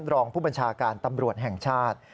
รองผู้บัญชาการตำรวจแห่งชาติ